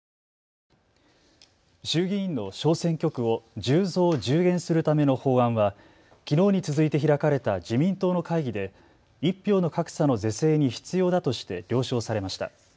衆議院の小選挙区を１０増１０減するための法案はきのうに続いて開かれた自民党の会議で１票の格差の是正に必要だとして了承されました。